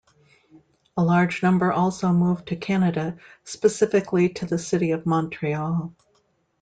A large number also moved to Canada, specifically to the city of Montreal.